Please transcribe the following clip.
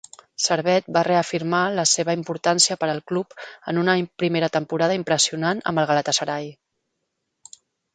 Servet va reafirmar la seva importància per al club en una primera temporada impressionant amb el Galatasaray.